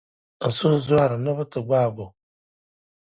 N suhu zɔhir’ ni bɛ ti gbaag o.